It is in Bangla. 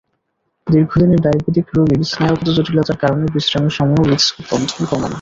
দীর্ঘদিনের ডায়াবেটিক রোগীর স্নায়ুগত জটিলতার কারণে বিশ্রামের সময়ও হৃদ্স্পন্দন কমে না।